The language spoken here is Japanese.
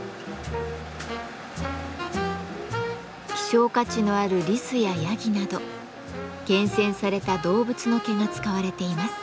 希少価値のあるリスやヤギなど厳選された動物の毛が使われています。